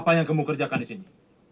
apa yang kamu kerjakan di sini